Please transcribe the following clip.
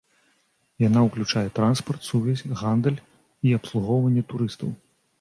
Яна ўключае транспарт, сувязь, гандаль і абслугоўванне турыстаў.